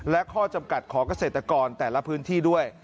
และข้อจำกัดของเกษตรกรแต่ละพื้นที่ด้วย